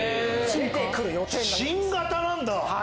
新型なんだ！